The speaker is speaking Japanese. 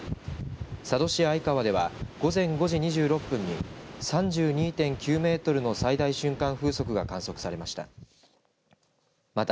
佐渡市相川では午前５時２６分に３２．９メートルの最大瞬間風速が観測されました。